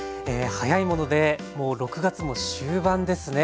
早いものでもう６月も終盤ですね。